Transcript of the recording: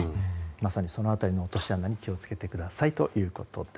まさにその辺りの落とし穴に気を付けてください。